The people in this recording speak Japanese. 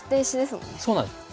そうなんです。